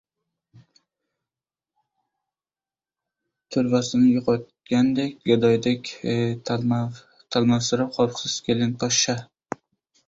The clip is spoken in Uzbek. — To‘rvasini yo‘qotgan gadoydek talmovsirab qopsiz, kelinposhsha?!